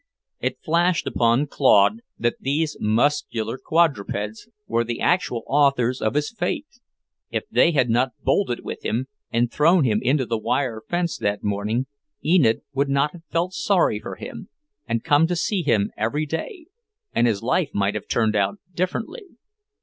It flashed upon Claude that these muscular quadrupeds were the actual authors of his fate. If they had not bolted with him and thrown him into the wire fence that morning, Enid would not have felt sorry for him and come to see him every day, and his life might have turned out differently.